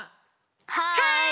はい！